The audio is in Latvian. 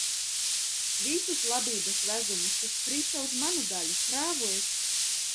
Visus labības vezumus, kas krita uz manu daļu, krāvu es.